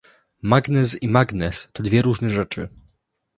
Magnez i magnes to dwie różne rzeczy.